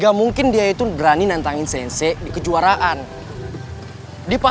sampai jumpa di video selanjutnya